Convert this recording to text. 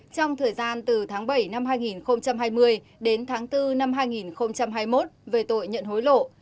trong thời gian từ tháng bảy năm hai nghìn hai mươi đến tháng bốn năm hai nghìn hai mươi một về tội nhận hối lộ